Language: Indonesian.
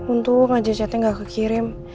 untung aja chatnya gak kekirim